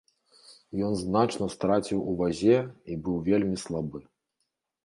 Ён значна страціў у вазе і быў вельмі слабы.